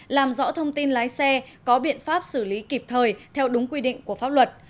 làm rõ thông tin lái xe có biện pháp xử lý kịp thời theo đúng quy định của pháp luật